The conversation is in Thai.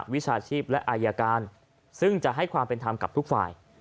วิชาชีพและอายการซึ่งจะให้ความเป็นธรรมกับทุกฝ่าย